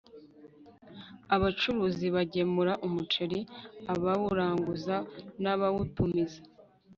Abacuruzi bagemura umuceri abawuranguza n abawutumiza